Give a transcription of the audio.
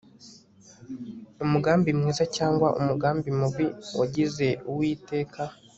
umugambi mwiza cyangwa umugambi mubi wagize uwiteka